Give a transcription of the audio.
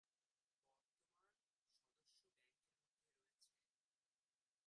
বর্তমান সদস্য ব্যাংকের মধ্যে রয়েছেঃ